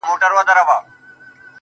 ځوان لکه مړ چي وي.